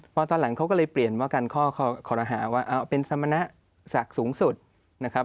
พอตอนหลังเขาก็เลยเปลี่ยนว่ากันข้อคอรหาว่าเป็นสมณะศักดิ์สูงสุดนะครับ